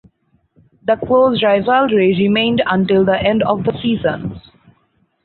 The close rivalry remained until the end of the season.